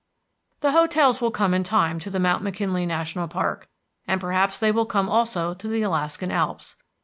The hotels will come in time to the Mount McKinley National Park, and perhaps they will come also to the Alaskan Alps.